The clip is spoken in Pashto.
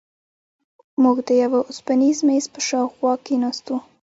موږ د یوه اوسپنیز میز پر شاوخوا کېناستو.